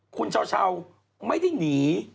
คุณเช้าไม่ได้หนี